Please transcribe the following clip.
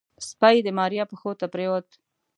سپي د ماريا پښو ته پرېوت.